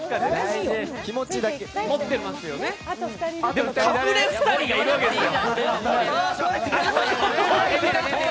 でも、隠れ２人がいるわけですよ。